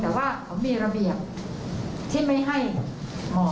แต่ว่าเขามีระเบียบที่ไม่ให้หมอ